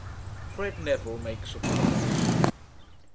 FRED NEVILLE MAKES A PROMISE.